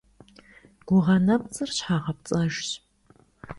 Гугъэ нэпцӀыр щхьэгъэпцӀэжщ.